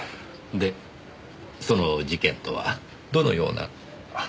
でその事件とはどのような？